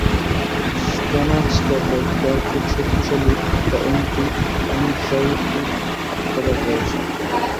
Xanax tablet, যার খুব শক্তিশালী একটা অ্যান্টি-অ্যাংজাইটি প্রভাব রয়েছে।